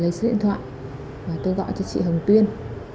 lấy số điện thoại và tôi gọi cho chị hồng tuyên